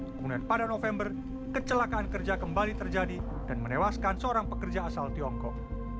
kemudian pada november kecelakaan kerja kembali terjadi dan menewaskan seorang pekerja asal tiongkok